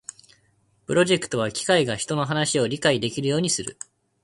プロジェクトは機械が人の話を理解できるようにする